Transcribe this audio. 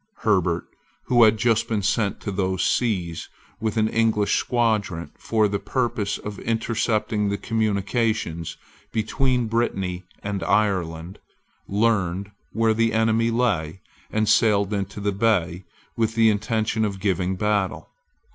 Herbert, who had just been sent to those seas with an English squadron for the purpose of intercepting the communications between Britanny and Ireland, learned where the enemy lay, and sailed into the bay with the intention of giving battle.